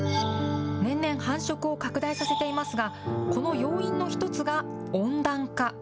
年々繁殖を拡大させていますが、この要因の一つが温暖化。